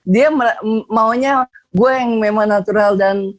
dia maunya gue yang memang natural dan